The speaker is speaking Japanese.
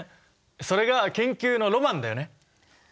それが研究のロマンだよね。